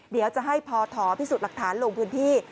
เดี๋ยวจะให้พอถอพิสูจน์หลักฐานลงพื้นที่